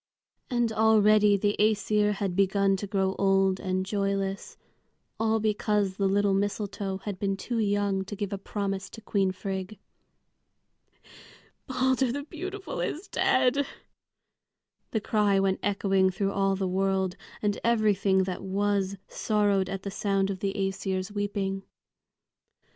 And already the Æsir had begun to grow old and joyless, all because the little mistletoe had been too young to give a promise to Queen Frigg. "Balder the beautiful is dead!" the cry went echoing through all the world, and everything that was sorrowed at the sound of the Æsir's weeping.